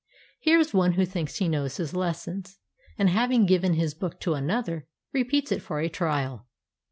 Here is one who thinks he knows his les son and, having given his book to another, repeats it for a trial.